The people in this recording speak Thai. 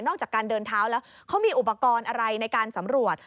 จากการเดินเท้าแล้วเขามีอุปกรณ์อะไรในการสำรวจ